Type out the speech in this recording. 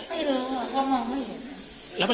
ไม่รู้อะมันมองไม่เห็น